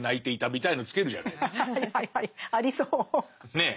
ねえ。